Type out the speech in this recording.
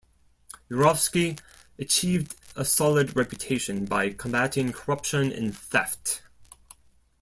Yurovsky achieved a solid reputation by combating corruption and theft.